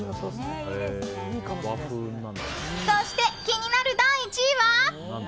そして、気になる第１位は。